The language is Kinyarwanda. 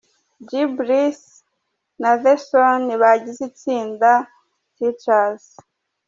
G Bruce na The Son bagize itsinda 'Teacherz'.